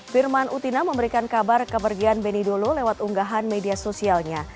firman utina memberikan kabar kepergian benny dolo lewat unggahan media sosialnya